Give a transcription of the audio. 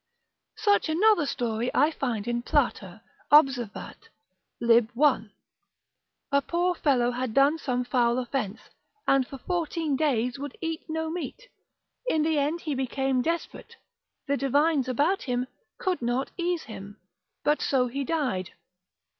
Such another story I find in Plater observat. lib. 1. A poor fellow had done some foul offence, and for fourteen days would eat no meat, in the end became desperate, the divines about him could not ease him, but so he died.